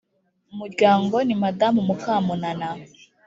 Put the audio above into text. muryango ni madamu mukamunana